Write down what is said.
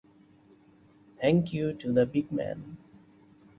Thank you to the big man.